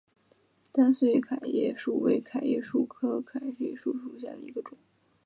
单穗桤叶树为桤叶树科桤叶树属下的一个种。